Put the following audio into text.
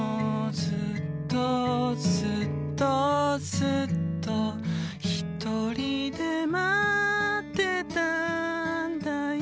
「ずっとずっとずっと一人で」「待ってたんだよ」